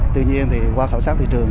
tuy nhiên qua khảo sát thị trường